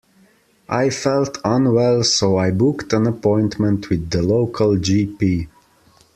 I felt unwell so I booked an appointment with the local G P.